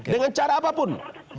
dengan cara apapun